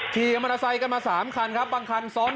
ขี่กับมอเตอร์ไซค์กันมาใส่กันมาใส่กันมาใส่กัน